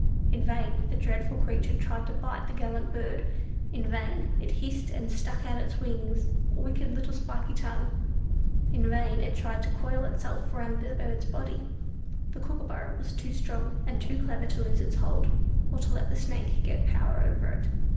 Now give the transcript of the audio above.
In vain the dreadful creature tried to bite the gallant bird; in vain it hissed and stuck out its wicked little spiky tongue; in vain it tried to coil itself round the bird's body; the Kookooburra was too strong and too clever to lose its hold, or to let the Snake get power over it.